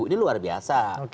ini luar biasa